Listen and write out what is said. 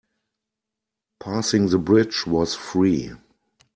Passing the bridge was free.